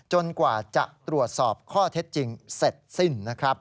กว่าจะตรวจสอบข้อเท็จจริงเสร็จสิ้นนะครับ